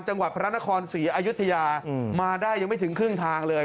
จังหวัดพระนครศรีอยุธยามาได้ยังไม่ถึงครึ่งทางเลย